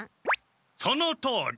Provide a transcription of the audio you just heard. そのとおり。